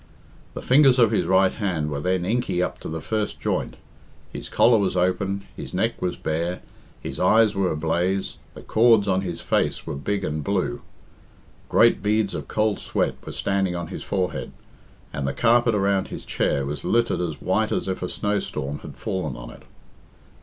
The fingers of his right hand were then inky up to the first joint, his collar was open, his neck was bare, his eyes were ablaze, the cords on his face were big and blue, great beads of cold sweat were standing on his forehead, and the carpet around his chair was littered as white as if a snowstorm had fallen on it.